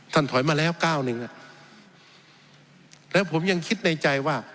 ถอยมาแล้วก้าวหนึ่งแล้วผมยังคิดในใจว่า